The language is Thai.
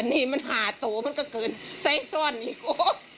อันนี้มันหาตัวมันก็เกินไซ่ซ่อนอยู่